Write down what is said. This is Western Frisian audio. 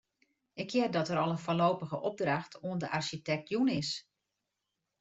Ik hear dat der al in foarlopige opdracht oan de arsjitekt jûn is.